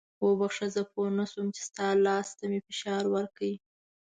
وبخښه زه پوه نه شوم چې ستا لاس ته مې فشار ورکړی.